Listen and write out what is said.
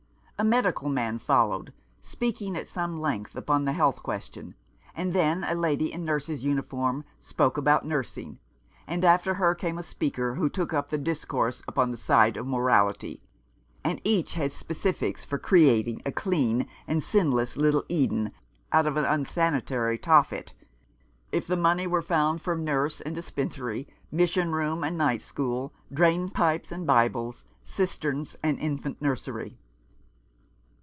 A medical man followed, speaking at some length upon the health question ; and then a lady in nurse's uniform spoke about nursing ; and after her came a speaker who took up the discourse upon the side of morality ; and each had specifics for creating a clean and sinless little Eden out of an unsanitary Tophet, if the money were found for nurse and dispensary, mission room 226 Nineteenth century Crusaders. and night school, drain pipes and Bibles, cisterns and infant nursery.